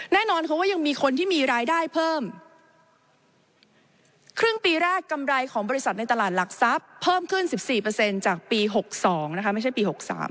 แน่นอนเขาว่ายังมีคนที่มีรายได้เพิ่มครึ่งปีแรกกำไรของบริษัทในตลาดหลักทรัพย์เพิ่มขึ้น๑๔จากปี๖๒นะคะไม่ใช่ปี๖๓